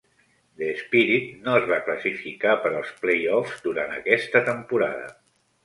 The Spirit no es va classificar per als "playoffs" durant aquesta temporada.